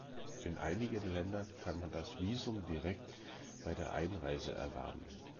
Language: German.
In einigen Ländern kann man das Visum direkt bei der Einreise erwerben.